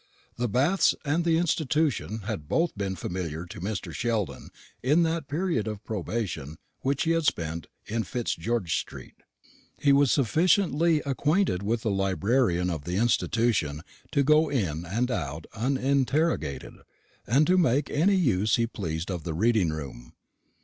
The Baths and the Institution had both been familiar to Mr. Sheldon in that period of probation which he had spent in Fitzgeorge street. He was sufficiently acquainted with the librarian of the Institution to go in and out uninterrogated, and to make any use he pleased of the reading room.